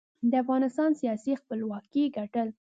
د افغانستان سیاسي خپلواکۍ ګټل.